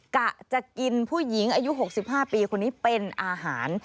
กะจะกินผู้หญิงอายุ๖๕ปีคนนี้เป็นอาหาร